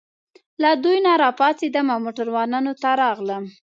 له دوی نه راپاڅېدم او موټروانانو ته راغلم.